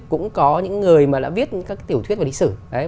cũng có những người mà đã viết các tiểu thuyết về lịch sử